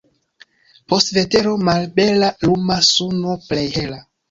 Post vetero malbela lumas suno plej hela.